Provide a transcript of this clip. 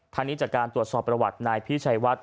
ทางนี้จากการตรวจสอบประวัตินายพี่ชัยวัด